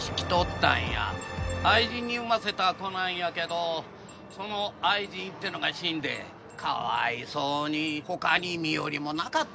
愛人に産ませた子なんやけどその愛人ってのが死んでかわいそうに他に身寄りもなかったんやろな。